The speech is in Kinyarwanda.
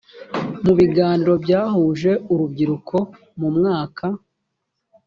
mu biganiro byahuje urubyiruko mu mwaka